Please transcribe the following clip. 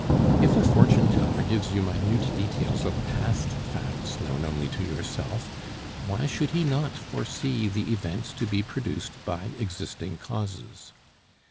If a fortune teller gives you minute details of past facts known only to yourself, why should he not foresee the events to be produced by existing causes?